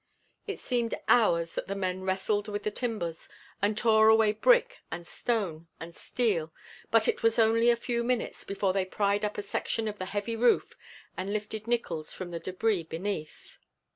It seemed hours that the men wrestled with the timbers and tore away brick and stone and steel, but it was only a few minutes before they pried up a section of the heavy roof and lifted Nickols from the debris beneath.